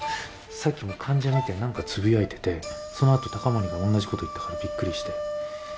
さっきも患者見て何かつぶやいててそのあと高森が同じこと言ったからびっくりして。